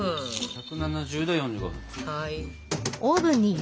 １７０℃４５分。